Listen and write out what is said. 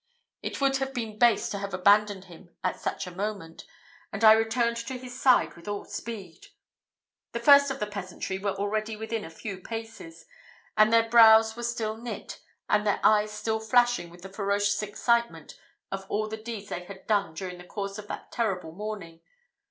It would have been base to have abandoned him at such a moment, and I returned to his side with all speed. The first of the peasantry were already within a few paces, and their brows were still knit, and their eyes still flashing with the ferocious excitement of all the deeds they had done during the course of that terrible morning.